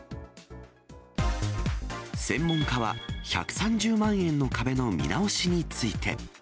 専門家は１３０万円の壁の見直しについて。